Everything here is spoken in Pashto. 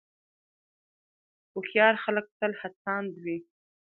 هوښیار خلک تل هڅاند وي.